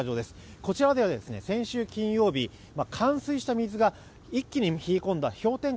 こちらでは先週金曜日冠水した水が一気に冷え込んだ氷点下